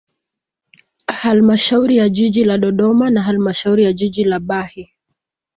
Halamashauri ya jiji la Dodoma na halmashauri ya jiji la Bahi